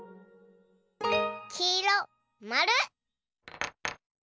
きいろまる！